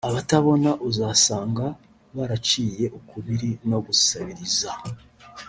Abatabona uzasanga baraciye ukubiri no gusabiriza